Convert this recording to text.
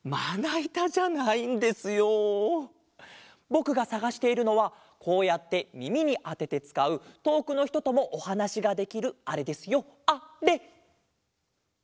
ぼくがさがしているのはこうやってみみにあててつかうとおくのひとともおはなしができるあれですよあれ！